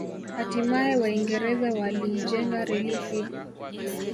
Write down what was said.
Hatimae Waingereza waliijenga reli hii